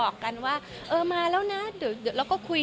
คุณแม่มะม่ากับมะมี่